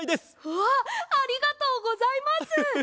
わっありがとうございます！